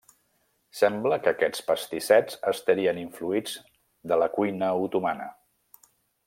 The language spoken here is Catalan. Sembla que aquests pastissets estarien influïts de la cuina otomana.